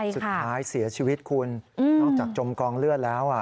สุดท้ายเสียชีวิตคุณนอกจากจมกองเลือดแล้ว